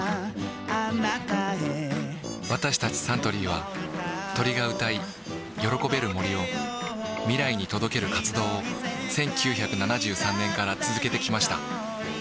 私たちサントリーは鳥が歌い喜べる森を未来に届ける活動を１９７３年から続けてきました